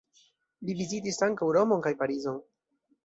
Li vizitis ankaŭ Romon kaj Parizon.